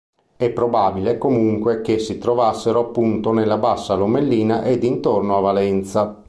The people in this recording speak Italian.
È probabile comunque che si trovassero appunto nella bassa Lomellina e intorno a Valenza.